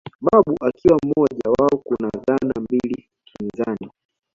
Babu akiwa mmoja wao Kuna dhana mbili kinzani